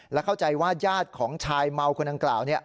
และเข้าใจว่าญาติของชายเมาคนดังกล่าว